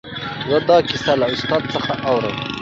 زه دا کیسه له استاد څخه اورم.